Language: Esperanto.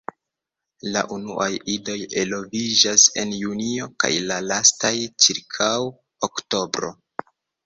La unuaj idoj eloviĝas en Junio kaj la lastaj ĉirkaŭ Oktobro.